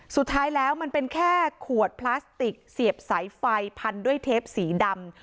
สุดท้ายแล้วมันเป็นแค่ขวดพลาสติกเสียบสายไฟพันด้วยเทปสีดำ